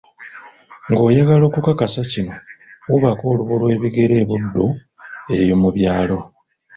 Ng'oyagala okukakasa kino wuubako olubu lwebigere e Buddu, eyo mu byalo.